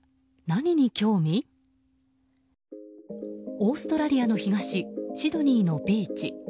オーストラリアの東シドニーのビーチ。